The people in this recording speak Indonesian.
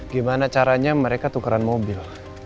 gimana caranya mereka tukaran mobil